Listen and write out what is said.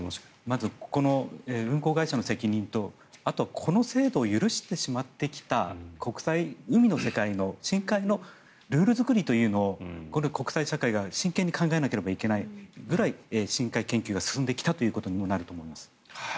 まず運航会社の責任とあとはこの制度を許してしまってきた国際、海の世界の深海のルール作りというのを国際社会が真剣に考えなければいけないくらい深海研究が進んできたということにもなると思います。